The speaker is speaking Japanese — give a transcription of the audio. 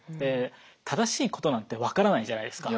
正しいことなんて分からないじゃないですか。